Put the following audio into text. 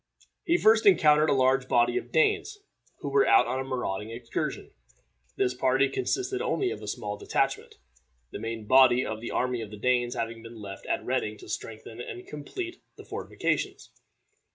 He first encountered a large body of the Danes who were out on a marauding excursion. This party consisted only of a small detachment, the main body of the army of the Danes having been left at Reading to strengthen and complete the fortifications.